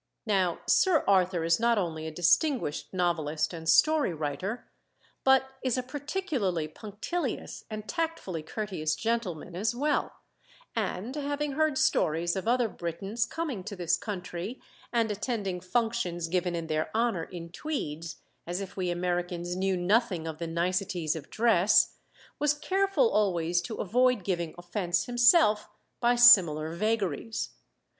Now Sir Arthur is not only a distinguished novelist and story writer, but is a particularly punctilious and tactfully courteous gentleman as well; and, having heard stories of other Britons coming to this country and attending functions given in their honor in tweeds, as if we Americans knew nothing of the niceties of dress, was careful always to avoid giving offense himself by similar vagaries.